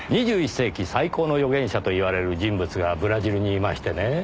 ２１世紀最高の予言者と言われる人物がブラジルにいましてねぇ。